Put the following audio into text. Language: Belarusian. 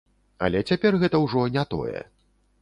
Але цяпер гэта ўжо не тое.